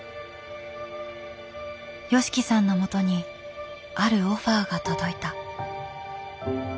ＹＯＳＨＩＫＩさんのもとにあるオファーが届いた。